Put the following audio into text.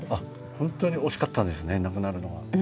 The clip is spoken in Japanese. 本当に惜しかったんですねなくなるのが。